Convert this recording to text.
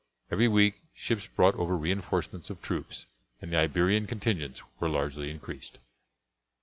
Every week ships brought over reinforcements of troops, and the Iberian contingents were largely increased.